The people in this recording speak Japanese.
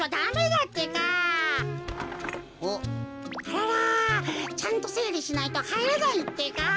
あららちゃんとせいりしないとはいらないってか。